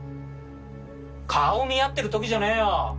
顔を見合ってる時じゃねえよ！